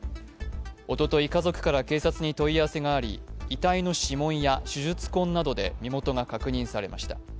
おととい家族から警察に問い合わせがあり遺体の指紋や手術痕などで身元が確認されました。